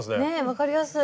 分かりやすい！